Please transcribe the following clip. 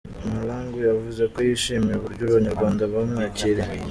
Mahlangu yavuze ko yishimiye uburyo Abanyarwanda bamwakiriye.